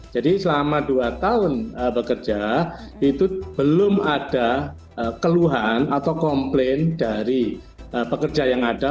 jadi selama dua tahun bekerja itu belum ada keluhan atau komplain dari pekerja yang ada